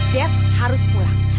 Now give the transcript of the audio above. dev harus pulang